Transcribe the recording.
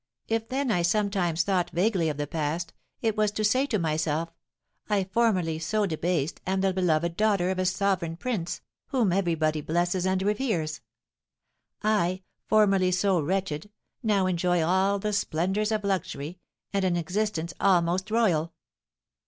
If then I sometimes thought vaguely of the past, it was to say to myself, 'I, formerly so debased, am the beloved daughter of a sovereign prince, whom everybody blesses and reveres; I, formerly so wretched, now enjoy all the splendours of luxury, and an existence almost royal.'